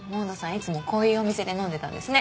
いつもこういうお店で飲んでたんですね。